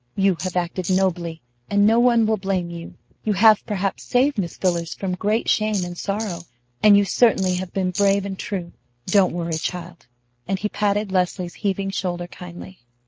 "You have acted nobly, and no one will blame you. You have perhaps saved Miss Villers from great shame and sorrow, and you certainly have been brave and true. Don't worry, child," and he patted Leslie's heaving shoulder kindly.